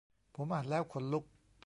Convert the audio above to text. ผมอ่านแล้วขนลุก